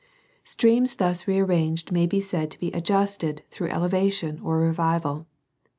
Streams thus rearranged may be said to be adjusted through elevation or revival.